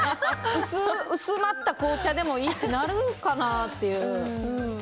薄まった紅茶でもいいってなるかなっていう。